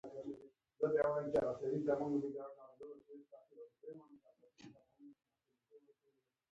ساينس پوهان په مريخ کې د ژوند کولو په اړه څېړنې کوي.